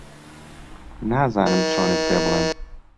نازانم چۆنت پێ بڵێم